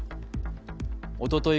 おととい